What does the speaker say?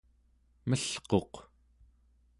melquq